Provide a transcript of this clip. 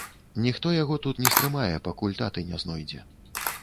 Ніхто яго тут не стрымае, пакуль таты не знойдзе.